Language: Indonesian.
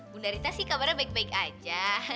bunda rita sih kabarnya baik baik aja